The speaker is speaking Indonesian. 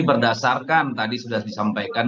berdasarkan tadi sudah disampaikan